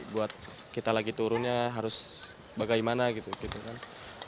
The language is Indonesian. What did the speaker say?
buat kita lagi turunnya harus bagaimana gitu gitu kan